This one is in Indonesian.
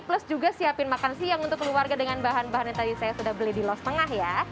plus juga siapin makan siang untuk keluarga dengan bahan bahan yang tadi saya sudah beli di los tengah ya